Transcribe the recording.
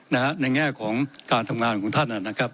ในแง่ของการทำงานของท่าน